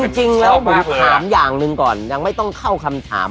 จริงแล้วผมถามอย่างหนึ่งก่อนยังไม่ต้องเข้าคำถาม